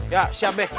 ya siap be